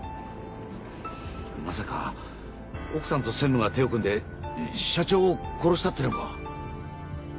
まさか奥さんと専務が手を組んで社長を殺したっていうのか。